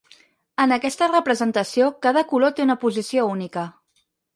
En aquesta representació, cada color té una posició única.